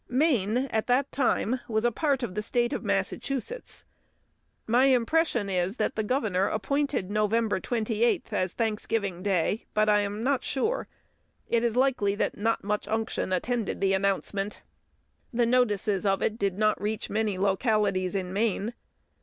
Maine at that time was a part of the state of Massachusetts. My impression is that the governor appointed November 28th as Thanksgiving Day, but I am not sure. It is likely that not much unction attended the announcement. The notices of it did not reach many localities in Maine.